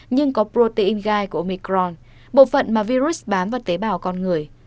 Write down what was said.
nhưng có protein gai của omicron bộ phận mà virus bám vào tế bào con người